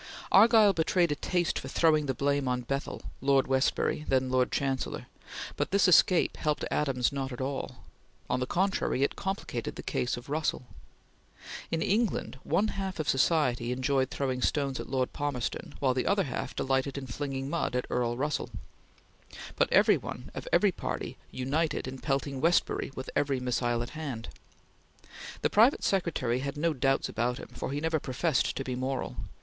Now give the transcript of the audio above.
Argyll betrayed a taste for throwing the blame on Bethell, Lord Westbury, then Lord Chancellor, but this escape helped Adams not at all. On the contrary, it complicated the case of Russell. In England, one half of society enjoyed throwing stones at Lord Palmerston, while the other half delighted in flinging mud at Earl Russell, but every one of every party united in pelting Westbury with every missile at hand. The private secretary had no doubts about him, for he never professed to be moral.